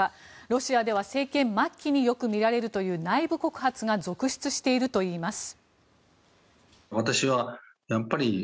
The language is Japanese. ロシアでは政権末期によく見られるという内部告発が続出しているといいます。